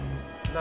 何？